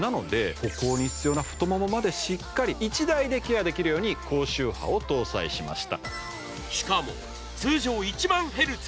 歩行に必要な太ももまでしっかり１台でケアできるように高周波を搭載しました。